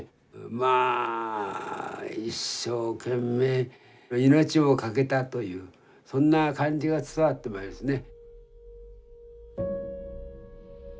まあ一生懸命命を懸けたというそんな感じが伝わってまいりますね。